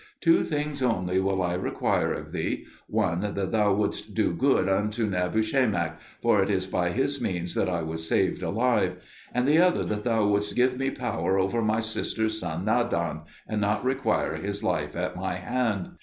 Two things only will I require of thee: one, that thou wouldst do good unto Nabushemak, for it is by his means that I was saved alive; and the other, that thou wouldst give me power over my sister's son Nadan, and not require his life at my hand."